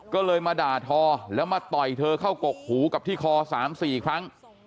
ก็เลยมาด่าทอแล้วมาต่อยเธอเข้ากกหูกับที่คอ๓๔ครั้ง